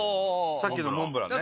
さっきのモンブランね。